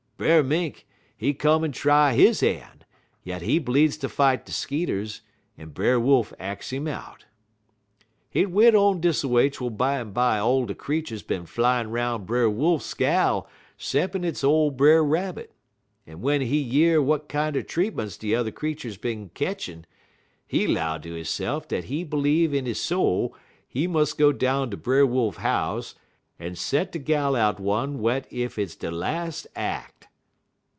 Brer Mink, he come en try he han', yit he bleedz ter fight de skeeters, en Brer Wolf ax 'im out. "Hit went on dis a way twel bimeby all de creeturs bin flyin' 'roun' Brer Wolf's gal 'ceppin' it's ole Brer Rabbit, en w'en he year w'at kinder treatments de yuther creeturs bin ketchin' he 'low ter hisse'f dat he b'leeve in he soul he mus' go down ter Brer Wolf house en set de gal out one whet ef it's de las' ack.